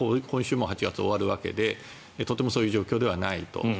もう８月が終わるわけでとてもそういう状況ではないと。